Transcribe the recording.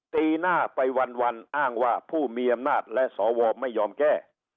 ตีหน้าไปวันอ้างว่าผู้มีอำนาจและสวไม่ยอมแก้